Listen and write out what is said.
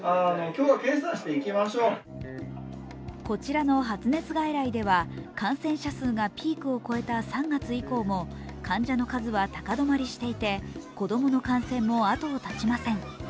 こちらの発熱外来では感染者数がピークを超えた３月以降も患者の数は高止まりしていて子供の感染も後を絶ちません。